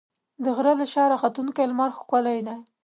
د غره له شا راختونکی لمر ښکلی دی.